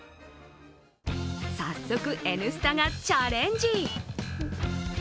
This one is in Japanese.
早速「Ｎスタ」がチャレンジ。